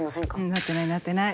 なってないなってない。